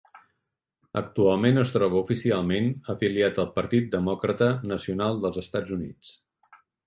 Actualment es troba oficialment afiliat al Partit Demòcrata nacional dels Estats Units.